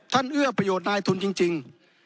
เอื้อประโยชน์นายทุนจริง